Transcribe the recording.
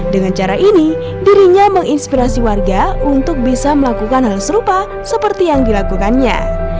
dengan cara ini dirinya menginspirasi warga untuk bisa melakukan hal serupa seperti yang dilakukannya